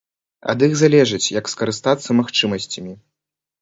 Ад іх залежыць, як скарыстацца магчымасцямі.